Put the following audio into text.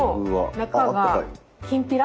中がきんぴら。